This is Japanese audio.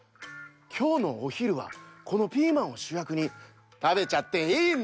きょうのおひるはこのピーマンをしゅやくにたべちゃっていいんです。